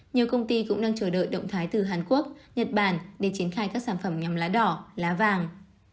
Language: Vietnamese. nhiều công ty cũng đang chờ đợi động thái từ hàn quốc nhật bản để triển khai các sản phẩm nhằm lá đỏ lá vàng